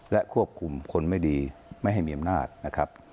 และควบคุมคนไม่ดีไม่ให้มีอำนาจนะครับ